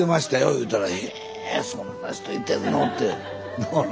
言うたら「えそんな人いてんの」って。